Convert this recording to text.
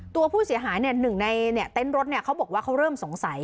ตัวผู้เสียหายเนี้ยหนึ่งในเนี้ยเต้นรถเนี้ยเขาบอกว่าเขาเริ่มสงสัย